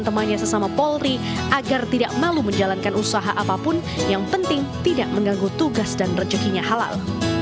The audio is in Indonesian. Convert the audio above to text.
dan temannya sesama polri agar tidak malu menjalankan usaha apapun yang penting tidak mengganggu tugas dan rezekinya halal